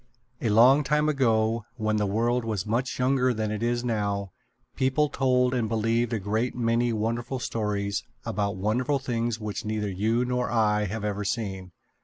A long time ago, when the world was much younger than it is now, people told and believed a great many wonderful stories about wonderful things which neither you nor I have ever seen.